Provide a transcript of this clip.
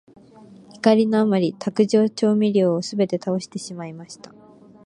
怒りのあまり、卓上調味料をすべて倒してしまいました。